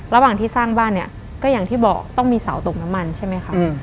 ระหว่างที่สร้างบ้านเนี่ยก็อย่างที่บอกต้องมีเสาตกน้ำมันใช่ไหมคะ